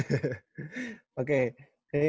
setuju atau enggak setuju